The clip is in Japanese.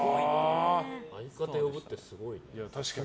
相方呼ぶってすごいね。